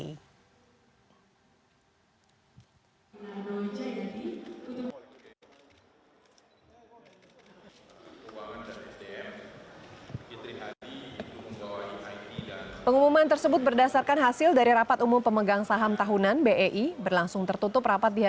inarno jayadi direktur utama pt bursa efek indonesia